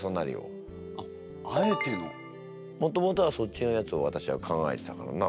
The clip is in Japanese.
もともとはそっちのやつをわたしは考えてたからな。